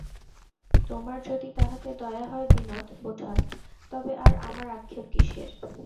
তোমার যদি তাহাতে দয়া হয় বিনোদ-বোঠান, তবে আর আমার আক্ষেপ কিসের।